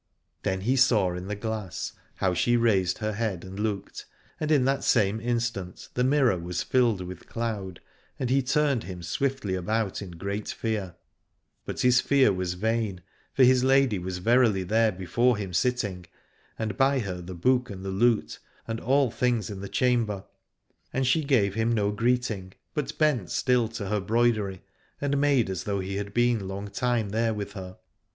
Then he saw in the glass how she raised her head, and looked : and in that same instant the mirror was filled with cloud, and he turned him swiftly about in great fear. But his fear was vain, for his lady was verily there before him sitting, and by her the book and the lute, and all things in the chamber. And she gave him no greeting, but bent still to her broidery and made as though he had been long time there with her.